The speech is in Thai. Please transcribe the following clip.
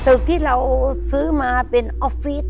ซึ่งที่เราซื้อมาเป็นออฟฟีส์